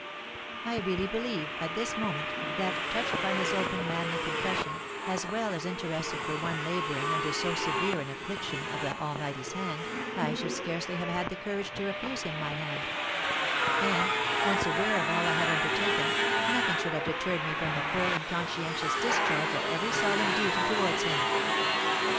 I really believe, at this moment, that, touched by his open, manly confession, as well as interested for one labouring under so severe an infliction of the Almighty's hand, I should scarcely have had the courage to refuse him my hand; and, once aware of all I had undertaken, nothing should have deterred me from the full and conscientious discharge of every solemn duty towards him.